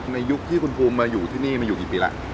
ยุคที่คุณภูมิมาอยู่ที่นี่มาอยู่กี่ปีแล้ว